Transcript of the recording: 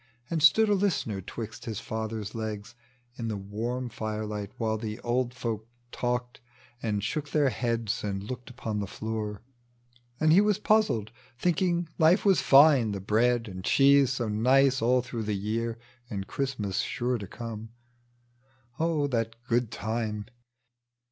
187 And stood a listener 'twixt his father's legs In the warm fire light, while the old folk talked And shook their heads and looked upon the floor ; And he waa puzzled, thinking life was fine — The bread and cheese so nice all through the year, And Christmas sure to come. O that good time